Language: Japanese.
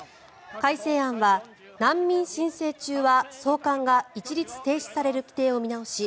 改正案は難民申請中は、送還が一律停止される規定を見直し